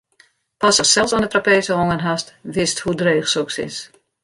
Pas ast sels oan 'e trapeze hongen hast, witst hoe dreech soks is.